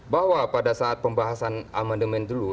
bahwa pada saat pembahasan amandemen dulu